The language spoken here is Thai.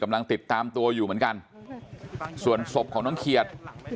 กำลังติดตามตัวอยู่เหมือนกันส่วนศพของน้องเขียด